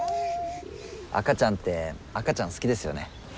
赤ちゃんって赤ちゃん好きですよね。